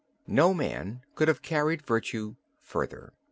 No man could have carried virtue further."